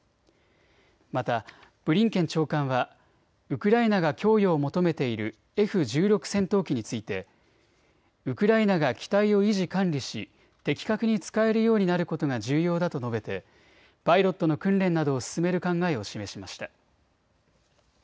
またブリンケン長官はウクライナが供与を求めているＦ１６戦闘機についてウクライナが機体を維持管理し的確に使えるようになることが重要だと述べてパイロットの訓練などを進める考えを示しました。